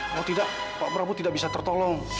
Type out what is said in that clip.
kalau tidak pak prabu tidak bisa tertolong